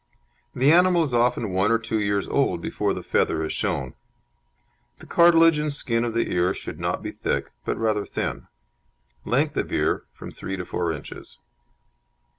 The animal is often one or two years old before the feather is shown. The cartilage and skin of the ear should not be thick, but rather thin. Length of ear, from three to four inches.